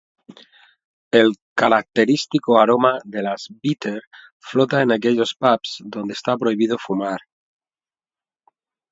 El característico aroma de las "Bitter" flota en aquellos "pubs" donde está prohibido fumar.